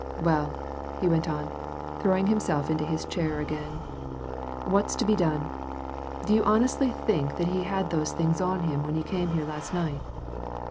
"Well," he went on, throwing himself into his chair again, "what's to be done? Do you honestly think that he had those things on him when he came here last night?